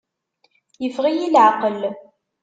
Yeffeɣ-iyi laɛqel.